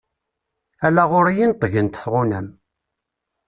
Ala ɣur-i i neṭṭgent tɣunam.